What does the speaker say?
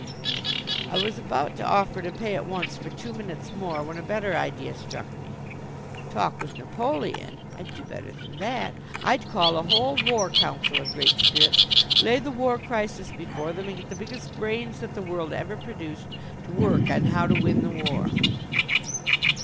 I was about to offer to pay at once for two minutes more when a better idea struck me. Talk with Napoleon? I'd do better than that. I'd call a whole War Council of great spirits, lay the war crisis before them and get the biggest brains that the world ever produced to work on how to win the war.